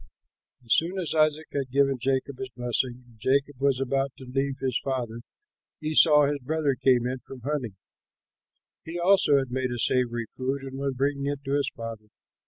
As soon as Isaac had given Jacob his blessing, and Jacob was about to leave his father, Esau his brother came in from his hunting. He also had made savory food and was bringing it to his father.